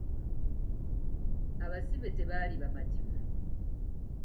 Abasibbe tebaali bamativu.